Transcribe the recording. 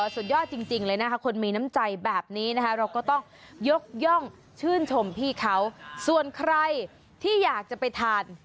สุดยอดจริงเลยนะคะคนมีน้ำใจแบบนี้นะคะเราก็ต้องยกย่องชื่นชมพี่เขาส่วนใครที่อยากจะไปทาน